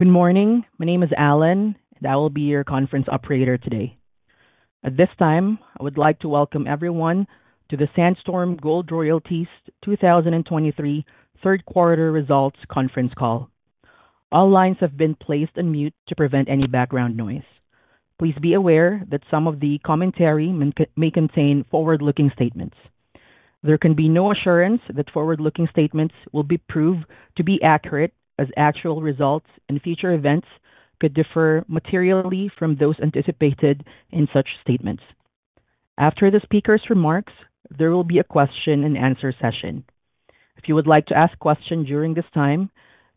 Good morning. My name is Alan, and I will be your conference operator today. At this time, I would like to welcome everyone to the Sandstorm Gold Royalties 2023 Third Quarter Results Conference Call. All lines have been placed on mute to prevent any background noise. Please be aware that some of the commentary may contain forward-looking statements. There can be no assurance that forward-looking statements will be proved to be accurate, as actual results and future events could differ materially from those anticipated in such statements. After the speaker's remarks, there will be a question and answer session. If you would like to ask questions during this time,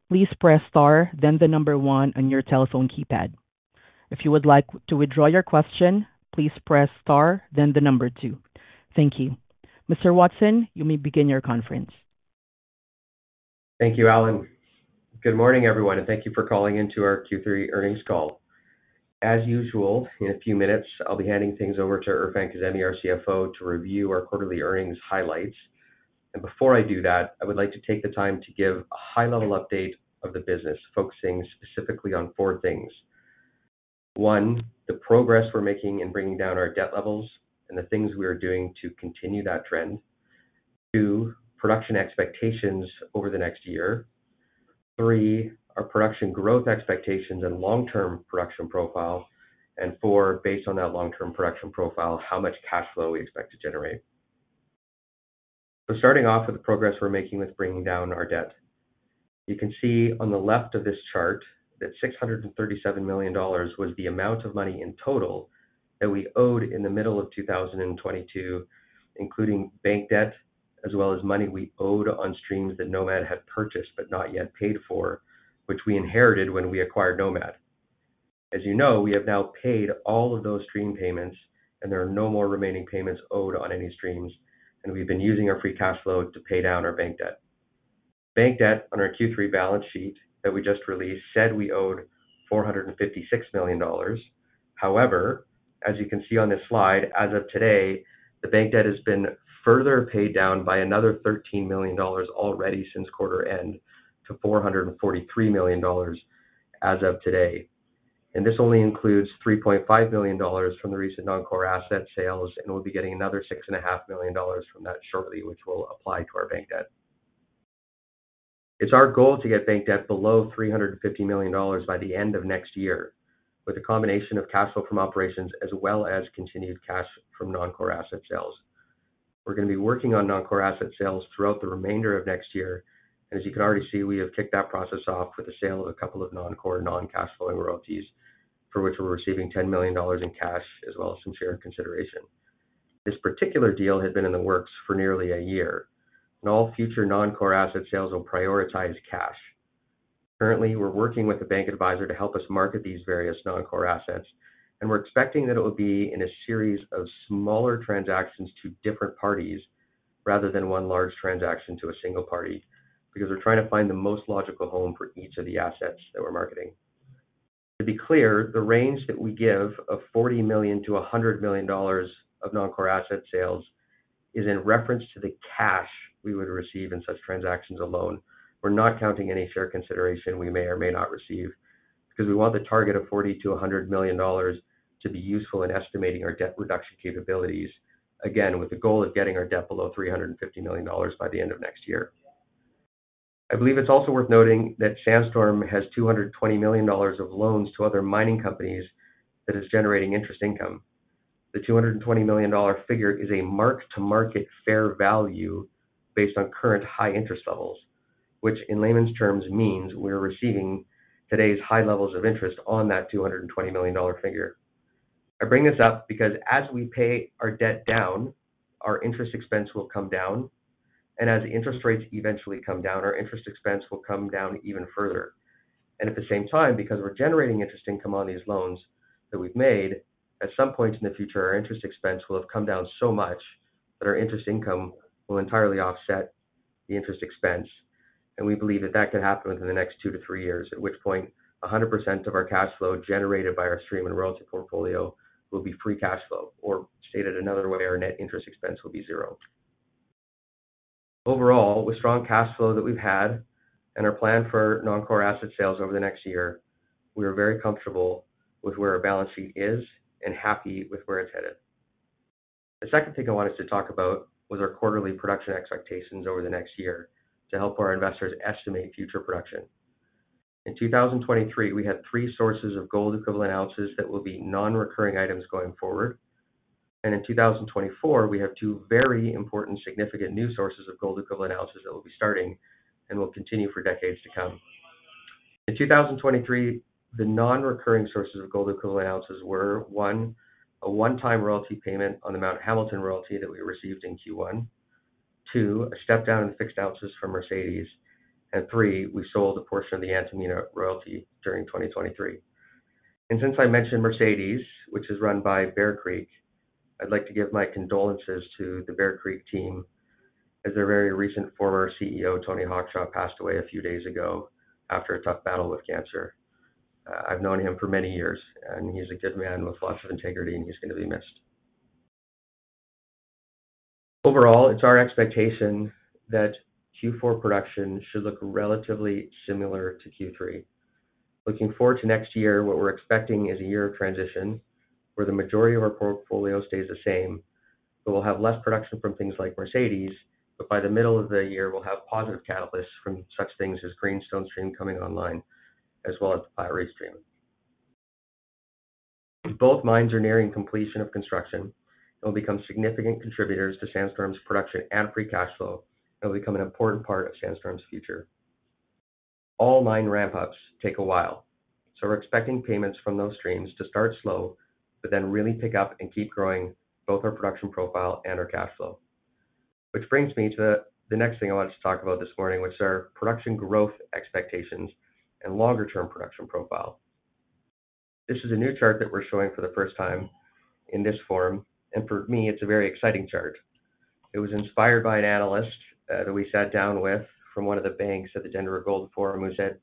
please press star, then the number one on your telephone keypad. If you would like to withdraw your question, please press star, then the number two. Thank you. Mr. Watson, you may begin your conference. Thank you, Alan. Good morning, everyone, and thank you for calling into our Q3 earnings call. As usual, in a few minutes, I'll be handing things over to Erfan Kazemi, our CFO, to review our quarterly earnings highlights. And before I do that, I would like to take the time to give a high-level update of the business, focusing specifically on four things. One, the progress we're making in bringing down our debt levels and the things we are doing to continue that trend. Two, production expectations over the next year. Three, our production growth expectations and long-term production profile. And four, based on that long-term production profile, how much cash flow we expect to generate. So starting off with the progress we're making with bringing down our debt. You can see on the left of this chart that $637 million was the amount of money in total that we owed in the middle of 2022, including bank debt, as well as money we owed on streams that Nomad had purchased but not yet paid for, which we inherited when we acquired Nomad. As you know, we have now paid all of those stream payments, and there are no more remaining payments owed on any streams, and we've been using our free cash flow to pay down our bank debt. Bank debt on our Q3 balance sheet that we just released said we owed $456 million. However, as you can see on this slide, as of today, the bank debt has been further paid down by another $13 million already since quarter end to $443 million as of today. This only includes $3.5 million from the recent non-core asset sales, and we'll be getting another $6.5 million from that shortly, which we'll apply to our bank debt. It's our goal to get bank debt below $350 million by the end of next year, with a combination of cash flow from operations as well as continued cash from non-core asset sales. We're going to be working on non-core asset sales throughout the remainder of next year, and as you can already see, we have kicked that process off with the sale of a couple of non-core, non-cash flowing royalties, for which we're receiving $10 million in cash as well as some share consideration. This particular deal had been in the works for nearly a year, and all future non-core asset sales will prioritize cash. Currently, we're working with a bank advisor to help us market these various non-core assets, and we're expecting that it will be in a series of smaller transactions to different parties rather than one large transaction to a single party, because we're trying to find the most logical home for each of the assets that we're marketing. To be clear, the range that we give of $40 million-$100 million of non-core asset sales is in reference to the cash we would receive in such transactions alone. We're not counting any fair consideration we may or may not receive, because we want the target of $40 million-$100 million to be useful in estimating our debt reduction capabilities, again, with the goal of getting our debt below $350 million by the end of next year. I believe it's also worth noting that Sandstorm has $220 million of loans to other mining companies that is generating interest income. The $220 million figure is a mark-to-market fair value based on current high interest levels, which in layman's terms means we're receiving today's high levels of interest on that $220 million figure. I bring this up because as we pay our debt down, our interest expense will come down, and as interest rates eventually come down, our interest expense will come down even further. And at the same time, because we're generating interest income on these loans that we've made, at some point in the future, our interest expense will have come down so much that our interest income will entirely offset the interest expense, and we believe that that could happen within the next 2-3 years, at which point 100% of our cash flow generated by our stream and royalty portfolio will be free cash flow, or stated another way, our net interest expense will be zero. Overall, with strong cash flow that we've had and our plan for non-core asset sales over the next year, we are very comfortable with where our balance sheet is and happy with where it's headed. The second thing I wanted to talk about was our quarterly production expectations over the next year to help our investors estimate future production. In 2023, we had three sources of gold equivalent ounces that will be non-recurring items going forward. In 2024, we have two very important, significant new sources of gold equivalent ounces that will be starting and will continue for decades to come. In 2023, the non-recurring sources of gold equivalent ounces were one, a one-time royalty payment on the Mount Hamilton royalty that we received in Q1. two, a step down in fixed ounces from Mercedes. And three, we sold a portion of the Antamina royalty during 2023. Since I mentioned Mercedes, which is run by Bear Creek, I'd like to give my condolences to the Bear Creek team, as their very recent former CEO, Tony Hawkshaw, passed away a few days ago after a tough battle with cancer. I've known him for many years, and he's a good man with lots of integrity, and he's going to be missed. Overall, it's our expectation that Q4 production should look relatively similar to Q3. Looking forward to next year, what we're expecting is a year of transition, where the majority of our portfolio stays the same, but we'll have less production from things like Mercedes, but by the middle of the year, we'll have positive catalysts from such things as Greenstone stream coming online, as well as the Pirate stream. Both mines are nearing completion of construction and will become significant contributors to Sandstorm's production and free cash flow, and will become an important part of Sandstorm's future. All mine ramp-ups take a while, so we're expecting payments from those streams to start slow, but then really pick up and keep growing both our production profile and our cash flow. Which brings me to the next thing I wanted to talk about this morning, which are production growth expectations and longer-term production profile. This is a new chart that we're showing for the first time in this forum, and for me, it's a very exciting chart. It was inspired by an analyst that we sat down with from one of the banks at the Denver Gold Forum, who said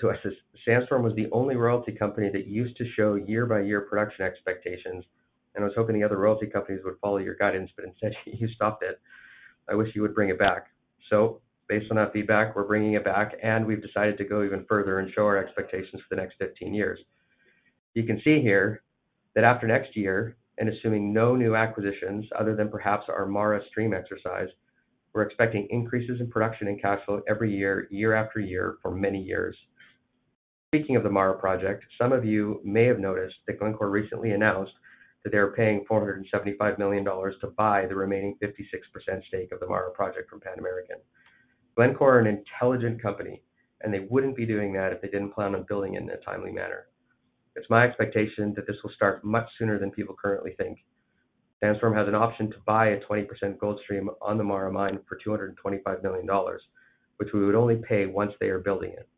to us, "Sandstorm was the only royalty company that used to show year-by-year production expectations, and I was hoping the other royalty companies would follow your guidance, but instead, you stopped it. I wish you would bring it back." So based on that feedback, we're bringing it back, and we've decided to go even further and show our expectations for the next 15 years. You can see here that after next year, and assuming no new acquisitions other than perhaps our MARA stream exercise, we're expecting increases in production and cash flow every year, year after year, for many years. Speaking of the MARA project, some of you may have noticed that Glencore recently announced that they are paying $475 million to buy the remaining 56% stake of the MARA project from Pan American. Glencore are an intelligent company, and they wouldn't be doing that if they didn't plan on building in a timely manner. It's my expectation that this will start much sooner than people currently think. Sandstorm has an option to buy a 20% gold stream on the MARA mine for $225 million, which we would only pay once they are building it.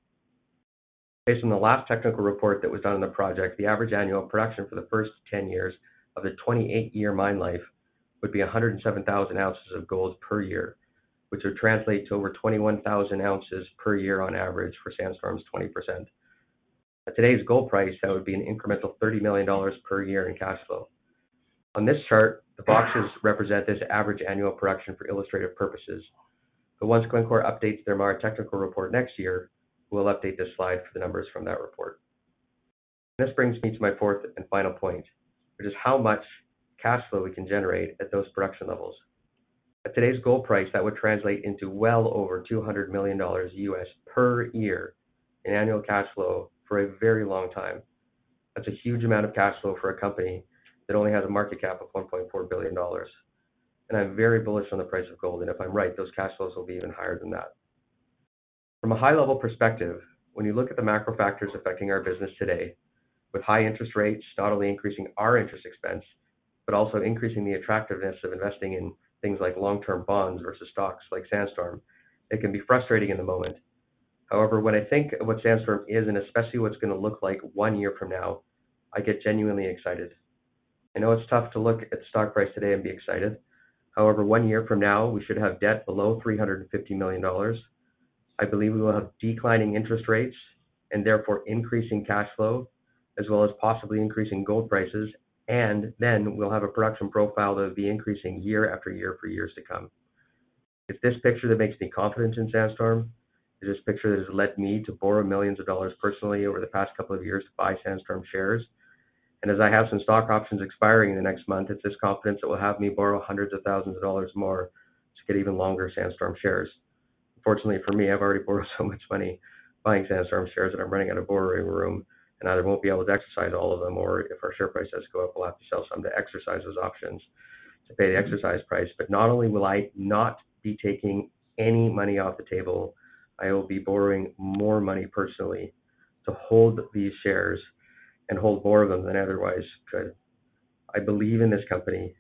Based on the last technical report that was done on the project, the average annual production for the first 10 years of the 28-year mine life would be 107,000 ounces of gold per year, which would translate to over 21,000 ounces per year on average for Sandstorm's 20%. At today's gold price, that would be an incremental $30 million per year in cash flow. On this chart, the boxes represent this average annual production for illustrative purposes, but once Glencore updates their MARA technical report next year, we'll update this slide for the numbers from that report. This brings me to my fourth and final point, which is how much cash flow we can generate at those production levels. At today's gold price, that would translate into well over $200 million per year in annual cash flow for a very long time. That's a huge amount of cash flow for a company that only has a market cap of $1.4 billion. And I'm very bullish on the price of gold, and if I'm right, those cash flows will be even higher than that. From a high-level perspective, when you look at the macro factors affecting our business today, with high interest rates not only increasing our interest expense, but also increasing the attractiveness of investing in things like long-term bonds versus stocks like Sandstorm, it can be frustrating in the moment. However, when I think of what Sandstorm is, and especially what it's going to look like one year from now, I get genuinely excited. I know it's tough to look at the stock price today and be excited. However, one year from now, we should have debt below $350 million. I believe we will have declining interest rates and therefore increasing cash flow, as well as possibly increasing gold prices, and then we'll have a production profile that will be increasing year after year for years to come. It's this picture that makes me confident in Sandstorm. It's this picture that has led me to borrow millions of dollars personally over the past couple of years to buy Sandstorm shares. As I have some stock options expiring in the next month, it's this confidence that will have me borrow hundreds of thousands of dollars more to get even longer Sandstorm shares. Unfortunately for me, I've already borrowed so much money buying Sandstorm shares that I'm running out of borrowing room, and I either won't be able to exercise all of them, or if our share price does go up, we'll have to sell some to exercise those options to pay the exercise price. But not only will I not be taking any money off the table, I will be borrowing more money personally to hold these shares and hold more of them than otherwise could. I believe in this company.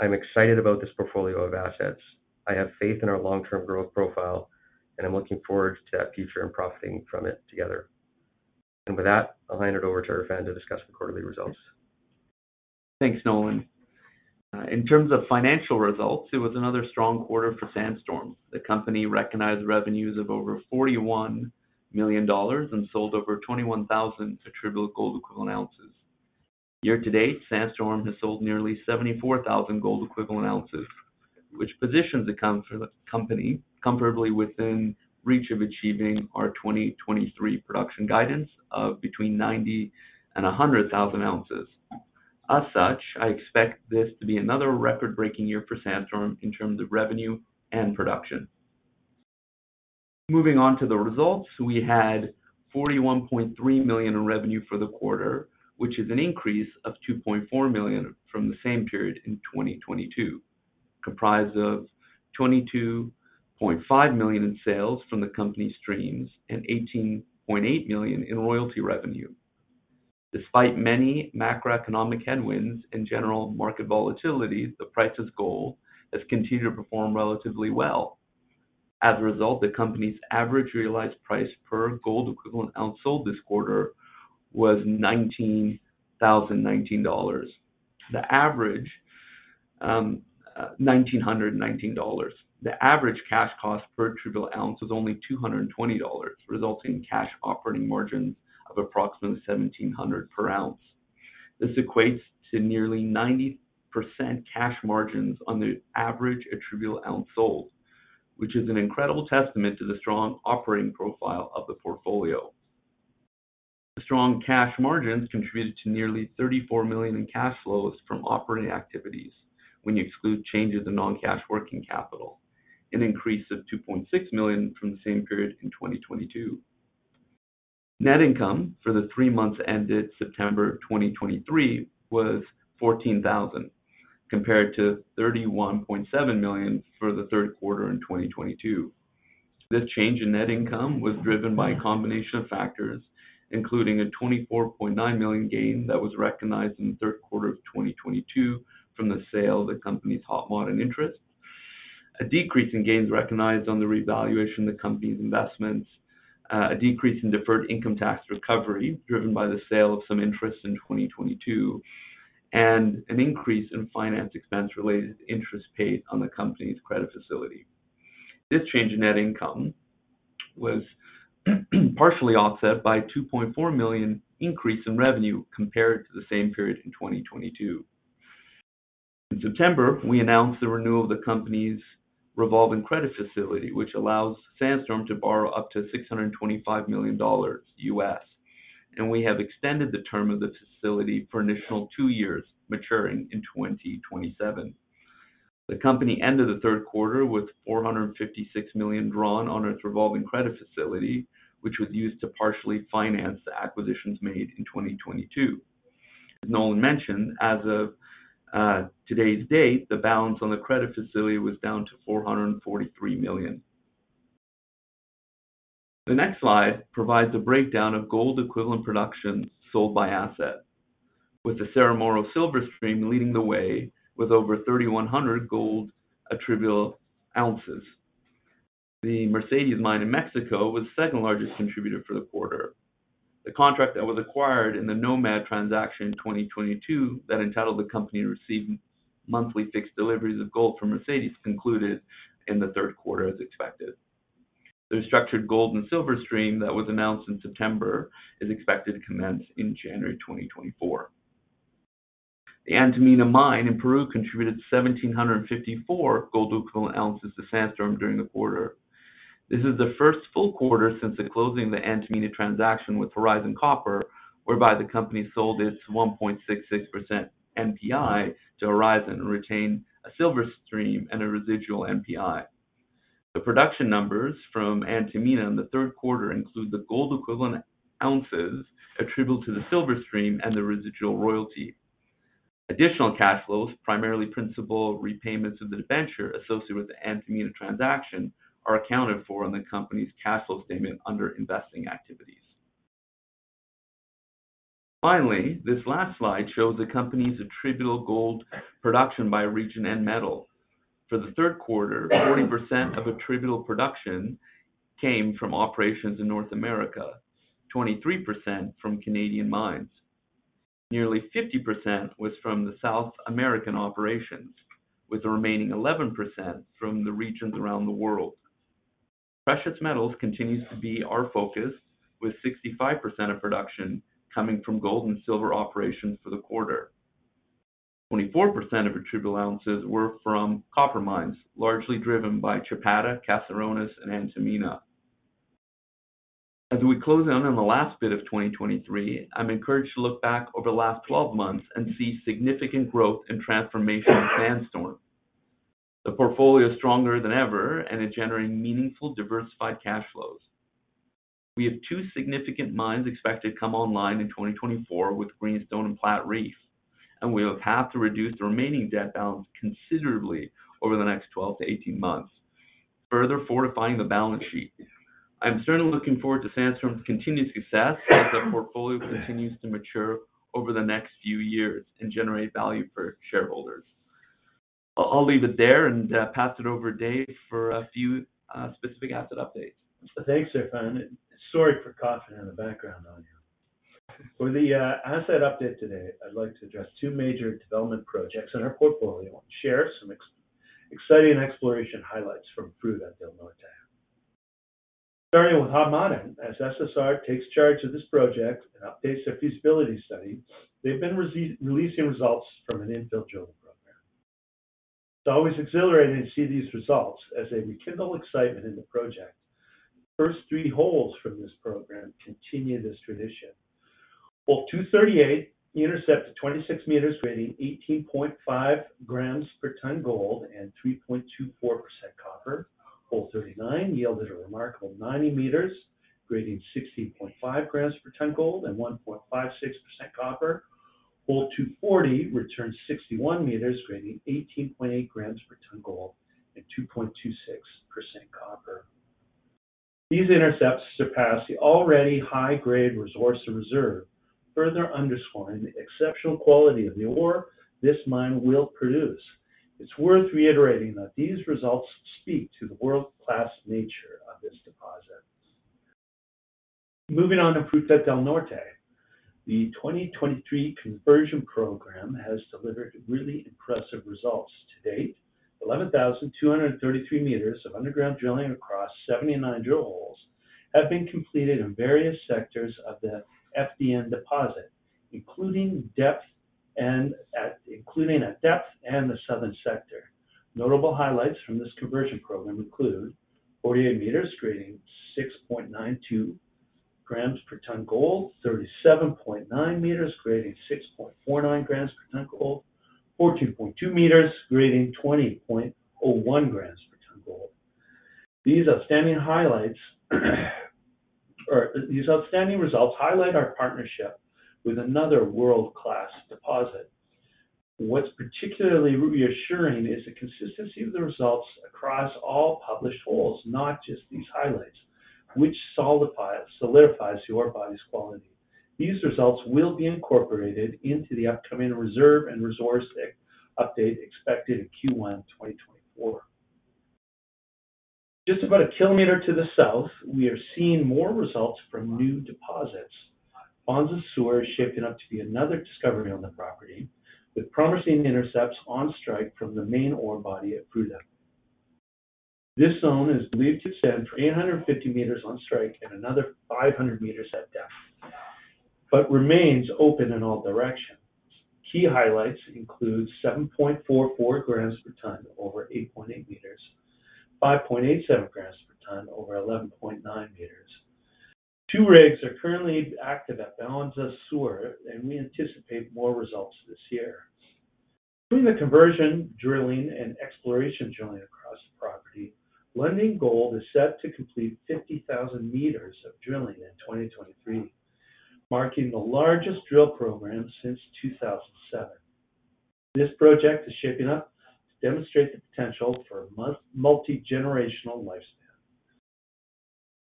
I'm excited about this portfolio of assets. I have faith in our long-term growth profile, and I'm looking forward to that future and profiting from it together. And with that, I'll hand it over to Erfan to discuss the quarterly results. Thanks, Nolan. In terms of financial results, it was another strong quarter for Sandstorm. The company recognized revenues of over $41 million and sold over 21,000 attributable gold equivalent ounces. Year to date, Sandstorm has sold nearly 74,000 gold equivalent ounces, which positions the count for the company comfortably within reach of achieving our 2023 production guidance of between 90,000 and 100,000 ounces. As such, I expect this to be another record-breaking year for Sandstorm in terms of revenue and production. Moving on to the results, we had $41.3 million in revenue for the quarter, which is an increase of $2.4 million from the same period in 2022, comprised of $22.5 million in sales from the company's streams and $18.8 million in royalty revenue. Despite many macroeconomic headwinds and general market volatility, the price of gold has continued to perform relatively well. As a result, the company's average realized price per gold equivalent ounce sold this quarter was $19,019. The average, nineteen hundred and nineteen dollars. The average cash cost per GEO ounce was only $220, resulting in cash operating margins of approximately $1,700 per ounce. This equates to nearly 90% cash margins on the average attributable ounce sold, which is an incredible testament to the strong operating profile of the portfolio. The strong cash margins contributed to nearly $34 million in cash flows from operating activities, when you exclude changes in non-cash working capital, an increase of $2.6 million from the same period in 2022. Net income for the three months ended September of 2023 was $14,000, compared to $31.7 million for the third quarter in 2022. This change in net income was driven by a combination of factors, including a $24.9 million gain that was recognized in the third quarter of 2022 from the sale of the company's Hod Maden interest, a decrease in gains recognized on the revaluation of the company's investments, a decrease in deferred income tax recovery, driven by the sale of some interests in 2022, and an increase in finance expense related to interest paid on the company's credit facility. This change in net income was partially offset by a $2.4 million increase in revenue compared to the same period in 2022. In September, we announced the renewal of the company's revolving credit facility, which allows Sandstorm to borrow up to $625 million, and we have extended the term of this facility for an additional two years, maturing in 2027. The company ended the third quarter with $456 million drawn on its revolving credit facility, which was used to partially finance the acquisitions made in 2022. As Nolan mentioned, as of today's date, the balance on the credit facility was down to $443 million. The next slide provides a breakdown of gold equivalent production sold by asset, with the Cerro Moro silver stream leading the way with over 3,100 gold attributable ounces. The Mercedes mine in Mexico was the second largest contributor for the quarter. The contract that was acquired in the Nomad transaction in 2022, that entitled the company to receive monthly fixed deliveries of gold from Mercedes, concluded in the third quarter as expected. The structured gold and silver stream that was announced in September is expected to commence in January 2024. The Antamina mine in Peru contributed 1,754 gold equivalent ounces to Sandstorm during the quarter. This is the first full quarter since the closing of the Antamina transaction with Horizon Copper, whereby the company sold its 1.66% NPI to Horizon, and retained a silver stream and a residual NPI. The production numbers from Antamina in the third quarter include the gold equivalent ounces attributable to the silver stream and the residual royalty. Additional cash flows, primarily principal repayments of the debenture associated with the Antamina transaction, are accounted for on the company's cash flow statement under investing activities. Finally, this last slide shows the company's attributable gold production by region and metal. For the third quarter, 40% of attributable production came from operations in North America, 23% from Canadian mines. Nearly 50% was from the South American operations, with the remaining 11% from the regions around the world. Precious metals continues to be our focus, with 65% of production coming from gold and silver operations for the quarter. 24% of attributable ounces were from copper mines, largely driven by Chapada, Caserones and Antamina. As we close in on the last bit of 2023, I'm encouraged to look back over the last twelve months and see significant growth and transformation in Sandstorm. The portfolio is stronger than ever, and is generating meaningful, diversified cash flows. We have two significant mines expected to come online in 2024 with Greenstone and Platreef, and we will have to reduce the remaining debt balance considerably over the next 12-18 months, further fortifying the balance sheet. I'm certainly looking forward to Sandstorm's continued success as the portfolio continues to mature over the next few years and generate value for shareholders. I'll leave it there and, pass it over to Dave for a few, specific asset updates. Thanks, Erfan. Sorry for coughing in the background on you. For the asset update today, I'd like to address two major development projects in our portfolio and share some exciting exploration highlights from Fruta del Norte. Starting with Hod Maden. As SSR takes charge of this project and updates their feasibility study, they've been releasing results from an infill drilling program. It's always exhilarating to see these results as they rekindle excitement in the project. The first three holes from this program continue this tradition. Hole 238 intercepted 26 meters, grading 18.5 grams per ton gold and 3.24% copper. Hole 39 yielded a remarkable 90 meters, grading 16.5 grams per ton gold and 1.56% copper. Hole 240 returned 61 meters, grading 18.8 grams per ton gold and 2.26% copper. These intercepts surpass the already high-grade resource and reserve, further underscoring the exceptional quality of the ore this mine will produce. It's worth reiterating that these results speak to the world-class nature of this deposit. Moving on to Fruta del Norte, the 2023 conversion program has delivered really impressive results. To date, 11,233 meters of underground drilling across 79 drill holes have been completed in various sectors of the FDN deposit, including at depth and the southern sector. Notable highlights from this conversion program include 48 meters grading 6.92 grams per ton gold, 37.9 meters grading 6.49 grams per ton gold, 14.2 meters grading 20.01 grams per ton gold. These outstanding highlights, or these outstanding results highlight our partnership with another world-class deposit. What's particularly reassuring is the consistency of the results across all published holes, not just these highlights, which solidifies the ore body's quality. These results will be incorporated into the upcoming reserve and resource update expected in Q1 2024. Just about 1 kilometer to the south, we are seeing more results from new deposits. Bonza Sur is shaping up to be another discovery on the property, with promising intercepts on strike from the main ore body at Fruta. This zone is believed to extend for 850 meters on strike and another 500 meters at depth, but remains open in all directions. Key highlights include 7.44 grams per ton over 8.8 meters, 5.87 grams per ton over 11.9 meters. Two rigs are currently active at the Bonza Sur, and we anticipate more results this year. Between the conversion, drilling, and exploration drilling across the property, Lundin Gold is set to complete 50,000 meters of drilling in 2023, marking the largest drill program since 2007. This project is shaping up to demonstrate the potential for a multi-generational lifespan.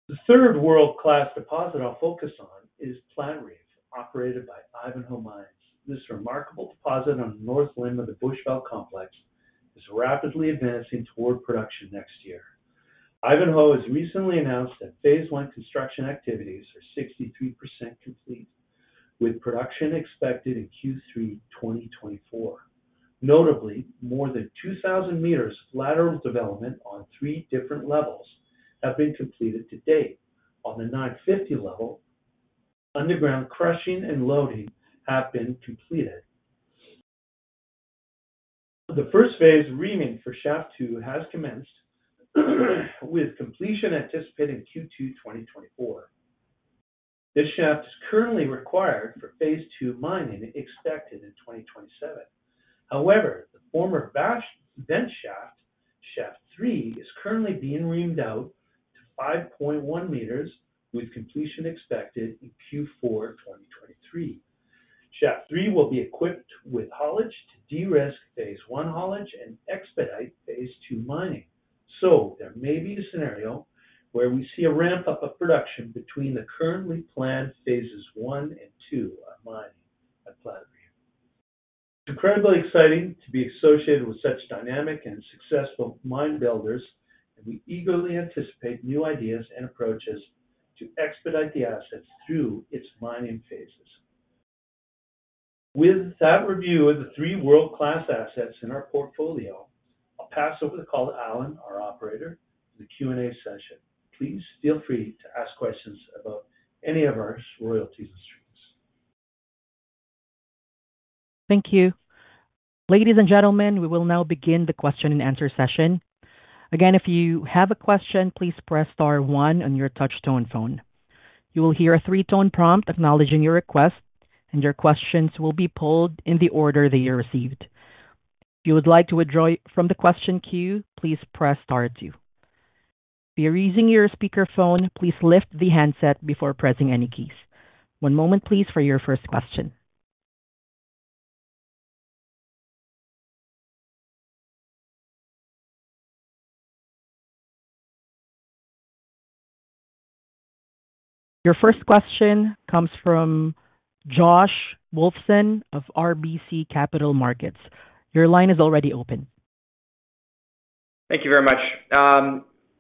The third world-class deposit I'll focus on is Platreef, operated by Ivanhoe Mines. This remarkable deposit on the north limb of the Bushveld complex is rapidly advancing toward production next year. Ivanhoe has recently announced that phase one construction activities are 63% complete, with production expected in Q3 2024. Notably, more than 2,000 meters of lateral development on three different levels have been completed to date. On the 950 level, underground crushing and loading have been completed. The first phase reaming for shaft two has commenced, with completion anticipated in Q2 2024. This shaft is currently required for phase two mining, expected in 2027. However, the former back-up vent shaft, shaft three, is currently being reamed out to 5.1 meters, with completion expected in Q4 2023. Shaft three will be equipped with haulage to de-risk phase one haulage and expedite phase two mining. So there may be a scenario where we see a ramp-up of production between the currently planned phases one and two of mining at Platreef. Incredibly exciting to be associated with such dynamic and successful mine builders, and we eagerly anticipate new ideas and approaches to expedite the assets through its mining phases. With that review of the three world-class assets in our portfolio, I'll pass over the call to Alan, our operator, for the Q&A session. Please feel free to ask questions about any of our royalties and streams. Thank you. Ladies and gentlemen, we will now begin the question-and-answer session. Again, if you have a question, please press star one on your touchtone phone. You will hear a three-tone prompt acknowledging your request, and your questions will be pulled in the order that you received. If you would like to withdraw from the question queue, please press star two. If you're using your speakerphone, please lift the handset before pressing any keys. One moment, please, for your first question. Your first question comes from Josh Wolfson of RBC Capital Markets. Your line is already open. Thank you very much.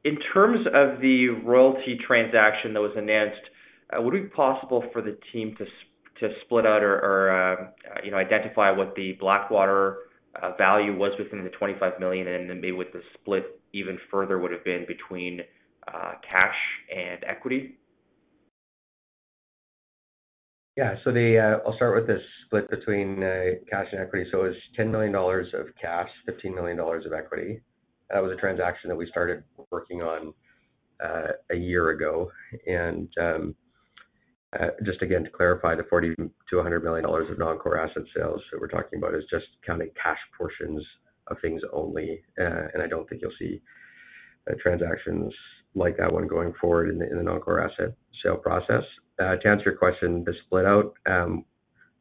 In terms of the royalty transaction that was announced, would it be possible for the team to split out or, you know, identify what the Blackwater value was within the $25 million, and then maybe what the split even further would have been between cash and equity? Yeah, so I'll start with the split between cash and equity. So it's $10 million of cash, $15 million of equity. That was a transaction that we started working on a year ago. And just again, to clarify, the $40 million-$100 million of non-core asset sales that we're talking about is just counting cash portions of things only, and I don't think you'll see transactions like that one going forward in the non-core asset sale process. To answer your question, the split out,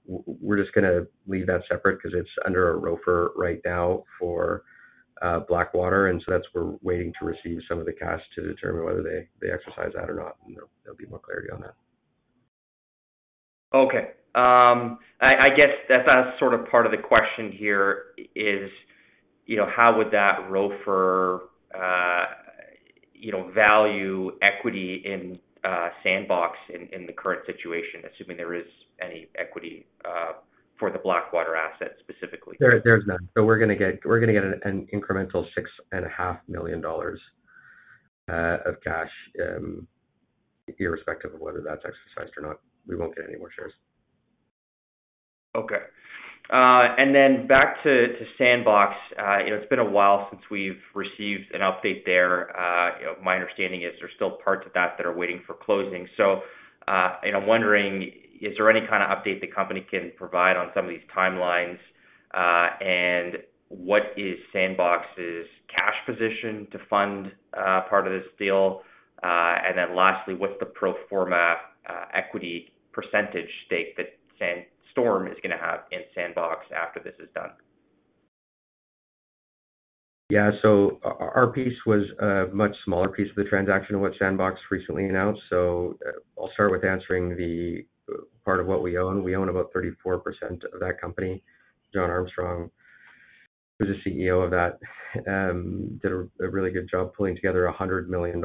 we're just gonna leave that separate because it's under a ROFR right now for Blackwater, and so that's why we're waiting to receive some of the cash to determine whether they exercise that or not, and there'll be more clarity on that. Okay, I guess that's sort of part of the question here is, you know, how would that ROFR, you know, value equity in Sandbox in the current situation, assuming there is any equity available?... for the Blackwater asset specifically? There, there's none. So we're gonna get, we're gonna get an incremental $6.5 million of cash, irrespective of whether that's exercised or not, we won't get any more shares. Okay. And then back to Sandbox. You know, it's been a while since we've received an update there. You know, my understanding is there's still parts of that that are waiting for closing. So, and I'm wondering, is there any kind of update the company can provide on some of these timelines? And what is Sandbox's cash position to fund part of this deal? And then lastly, what's the pro forma equity percentage stake that Sandstorm is gonna have in Sandbox after this is done? Yeah. So our piece was a much smaller piece of the transaction than what Sandbox recently announced. So, I'll start with answering the part of what we own. We own about 34% of that company. John Armstrong, who's the CEO of that, did a really good job pulling together a $100 million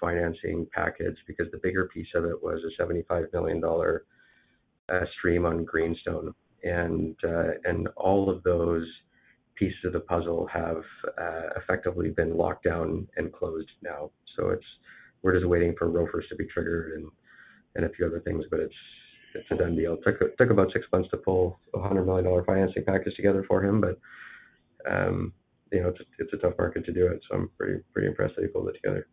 financing package, because the bigger piece of it was a $75 million stream on Greenstone. And all of those pieces of the puzzle have effectively been locked down and closed now. So it's. We're just waiting for ROFRs to be triggered and a few other things, but it's a done deal. Took about six months to pull a $100 million financing package together for him, but, you know, it's a tough market to do it, so I'm pretty impressed that he pulled it together.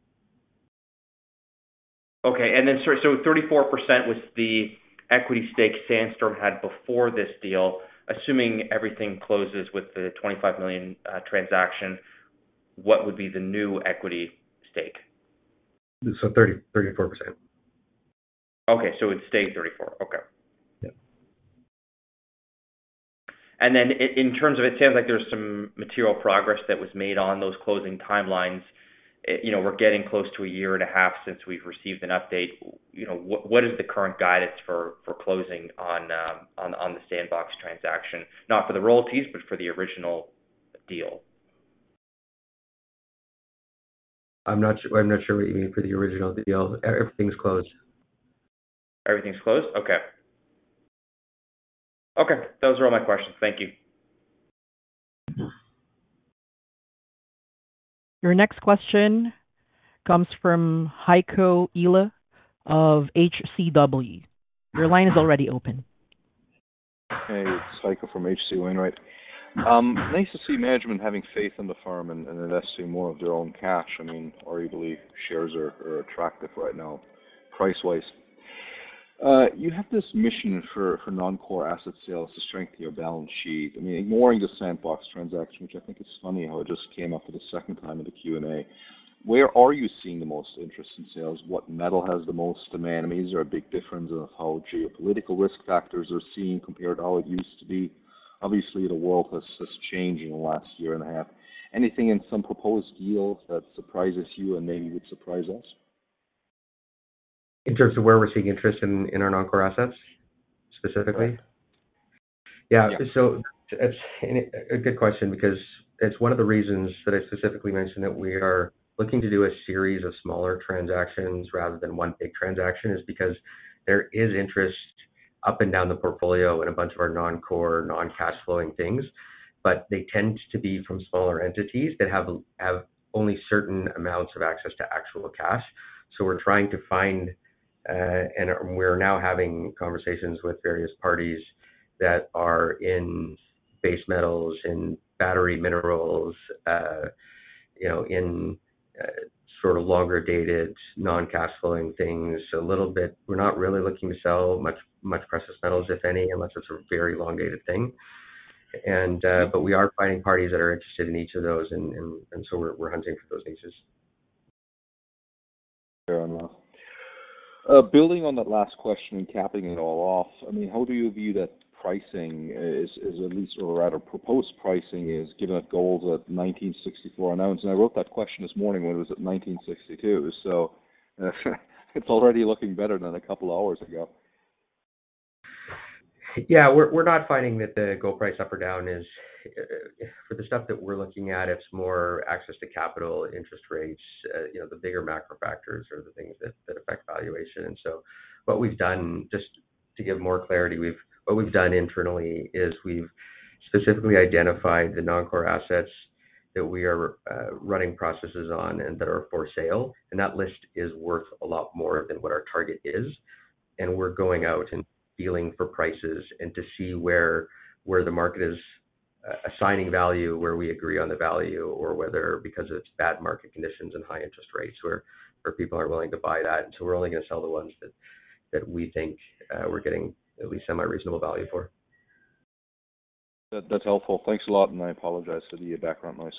Okay. And then, so, so 34% was the equity stake Sandstorm had before this deal. Assuming everything closes with the $25 million transaction, what would be the new equity stake? 30, 34%. Okay, so it would stay 34. Okay. Yeah. In terms of... It sounds like there's some material progress that was made on those closing timelines. You know, we're getting close to a year and a half since we've received an update. You know, what is the current guidance for closing on the Sandbox transaction? Not for the royalties, but for the original deal. I'm not sure, I'm not sure what you mean for the original deal. Everything's closed. Everything's closed? Okay. Okay, those are all my questions. Thank you. Mm-hmm. Your next question comes from Heiko Ihle of HCW. Your line is already open. Hey, it's Heiko from H.C. Wainwright. Nice to see management having faith in the firm and investing more of their own cash. I mean, arguably, shares are attractive right now, price-wise. You have this mission for non-core asset sales to strengthen your balance sheet. I mean, ignoring the Sandbox transaction, which I think is funny, how it just came up for the second time in the Q&A. Where are you seeing the most interest in sales? What metal has the most demand? I mean, is there a big difference in how geopolitical risk factors are seen compared to how it used to be? Obviously, the world has changed in the last year and a half. Anything in some proposed deals that surprises you and maybe would surprise us? In terms of where we're seeing interest in, in our non-core assets, specifically? Right. Yeah. Yeah. So it's a good question because it's one of the reasons that I specifically mentioned that we are looking to do a series of smaller transactions rather than one big transaction, is because there is interest up and down the portfolio in a bunch of our non-core, non-cash flowing things. But they tend to be from smaller entities that have only certain amounts of access to actual cash. So we're trying to find, and we're now having conversations with various parties that are in base metals, in battery minerals, you know, in sort of longer-dated, non-cash flowing things. A little bit, we're not really looking to sell much precious metals, if any, unless it's a very long-dated thing. And but we are finding parties that are interested in each of those, and so we're hunting for those niches. Fair enough. Building on that last question and capping it all off, I mean, how do you view that pricing is, is at least or rather proposed pricing is, given that gold's at $1,964 an ounce? I wrote that question this morning when it was at $1,962, so it's already looking better than a couple of hours ago. Yeah, we're not finding that the gold price up or down is... For the stuff that we're looking at, it's more access to capital, interest rates, you know, the bigger macro factors are the things that affect valuation. So what we've done, just to give more clarity, what we've done internally is we've specifically identified the non-core assets that we are running processes on and that are for sale, and that list is worth a lot more than what our target is. And we're going out and dealing for prices and to see where the market is assigning value, where we agree on the value, or whether because of its bad market conditions and high interest rates, where people aren't willing to buy that. So we're only going to sell the ones that we think we're getting at least semi-reasonable value for. That's helpful. Thanks a lot, and I apologize for the background noise.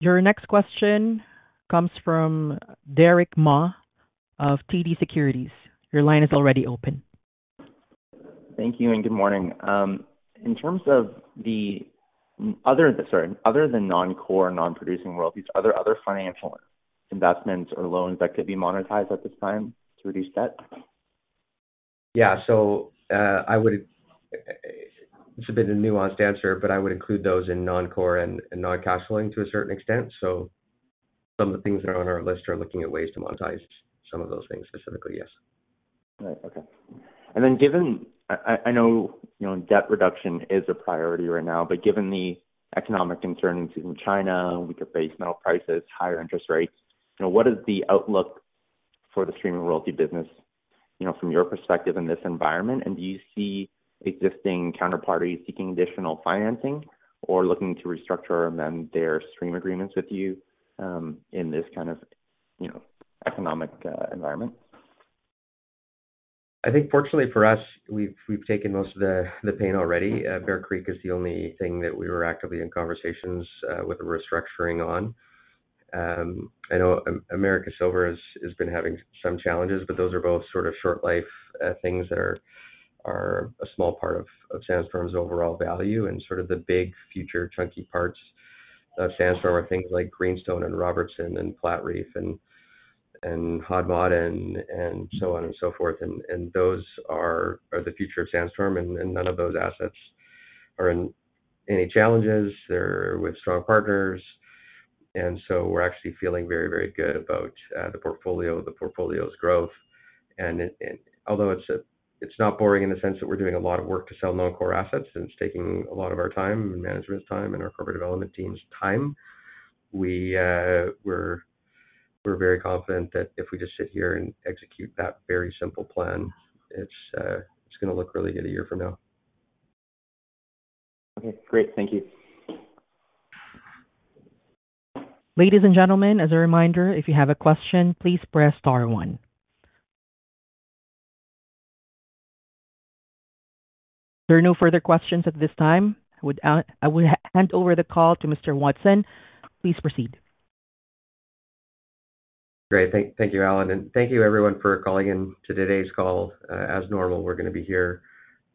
Your next question comes from Derick Ma of TD Securities. Your line is already open. Thank you, and good morning. In terms of the other, sorry, other than non-core, non-producing royalties, are there other financial investments or loans that could be monetized at this time to reduce debt?... Yeah. So, I would, it's a bit of a nuanced answer, but I would include those in non-core and, and non-cash flowing to a certain extent. So some of the things that are on our list are looking at ways to monetize some of those things specifically, yes. All right. Okay. And then given, I know, you know, debt reduction is a priority right now, but given the economic concerns in China, weaker base metal prices, higher interest rates, you know, what is the outlook for the streaming royalty business, you know, from your perspective in this environment? And do you see existing counterparties seeking additional financing or looking to restructure and amend their stream agreements with you, in this kind of, you know, economic environment? I think fortunately for us, we've taken most of the pain already. Bear Creek is the only thing that we were actively in conversations with a restructuring on. I know Americas Silver has been having some challenges, but those are both sort of short life things that are a small part of Sandstorm's overall value. And sort of the big future chunky parts of Sandstorm are things like Greenstone and Robertson and Platreef and Hod Maden and so on and so forth. And those are the future of Sandstorm, and none of those assets are in any challenges. They're with strong partners, and so we're actually feeling very, very good about the portfolio, the portfolio's growth. And it... Although it's not boring in the sense that we're doing a lot of work to sell non-core assets, and it's taking a lot of our time and management's time and our corporate development team's time. We're very confident that if we just sit here and execute that very simple plan, it's going to look really good a year from now. Okay, great. Thank you. Ladies and gentlemen, as a reminder, if you have a question, please press star one. There are no further questions at this time. I would, I would hand over the call to Mr. Watson. Please proceed. Great. Thank you, Alan, and thank you everyone for calling in to today's call. As normal, we're going to be here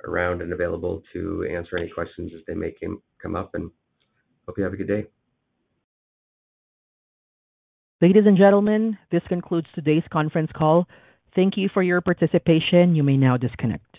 around and available to answer any questions as they may come up, and hope you have a good day. Ladies and gentlemen, this concludes today's conference call. Thank you for your participation. You may now disconnect.